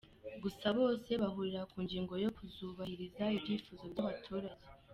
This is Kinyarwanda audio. Gusa bose bahurira ku ngingo yo kuzubahiriza ibyifuzo by’abaturage.